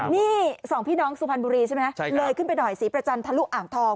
นี่สองพี่น้องสุพรรณบุรีใช่ไหมเลยขึ้นไปหน่อยศรีประจันทะลุอ่างทอง